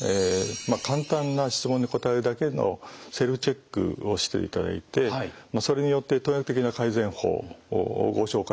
簡単な質問に答えるだけのセルフチェックをしていただいてそれによって東洋医学的な改善法をご紹介したいと思います。